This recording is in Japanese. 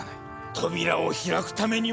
扉を開くためには。